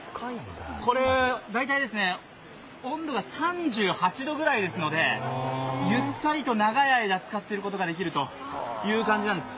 これ大体温度が３８度くらいですので、ゆったりと長い間つかっていることができるという感じです。